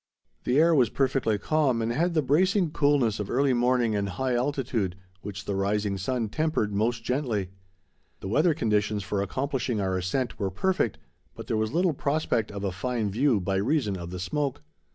The air was perfectly calm and had the bracing coolness of early morning and high altitude, which the rising sun tempered most gently. The weather conditions for accomplishing our ascent were perfect, but there was little prospect of a fine view by reason of the smoke.